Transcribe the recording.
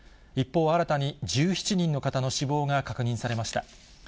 一方、新たに１７人の方の死亡が確認されました。